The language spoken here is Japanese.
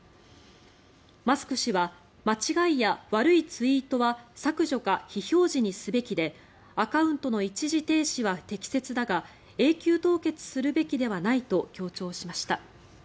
マスク氏は間違いや悪いツイートは削除か非表示にすべきでアカウントの一時停止は適切だが永久凍結するべきではないと強調しました。